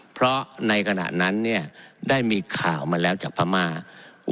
เพราะในขณะนั้นเนี่ยได้มีข่าวมาแล้วจากพระมาครับ